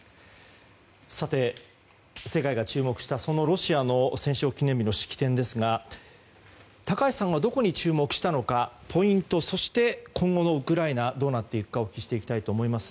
さて、世界が注目したロシアの戦勝記念日の式典ですが高橋さんはどこに注目したのかポイント、そして今後のウクライナがどうなっていくかお聞きしていきたいと思います。